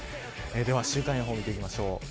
では週間予報見ていきましょう。